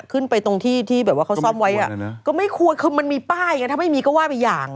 ขึ้นไปตรงที่ที่แบบว่าเขาซ่อมไว้อ่ะก็ไม่ควรคือมันมีป้ายไงถ้าไม่มีก็ว่าไปอย่าง